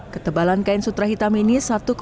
ketebalan kain sutra hitam ini